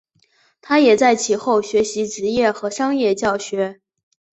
他也在其后学习职业和商业教学。